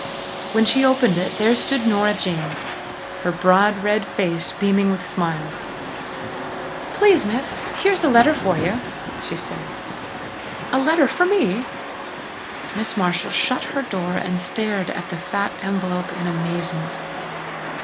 When she opened it there stood Nora Jane, her broad red face beaming with smiles. "Please, Miss, here's a letter for you," she said. "A letter for me!" Miss Marshall shut her door and stared at the fat envelope in amazement.